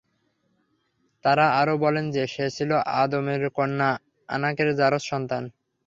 তারা আরো বলেন যে, সে ছিল আদমের কন্যা আনাকের জারয সন্তান।